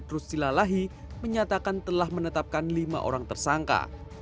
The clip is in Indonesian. terus silalahi menyatakan telah menetapkan lima orang tersangka